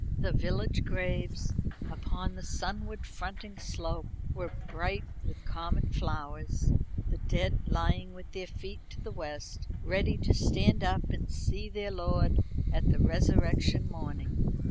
The village graves upon the sunward fronting slope were bright with common flowers; the dead lying with their feet to the west, ready to stand up and see their Lord at the resurrection morning.